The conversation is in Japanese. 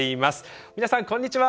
皆さんこんにちは！